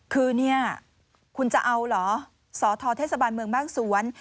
คือเนี่ยคุณจะเอาเหรอสอทเทศบาลเมืองบ้านสวน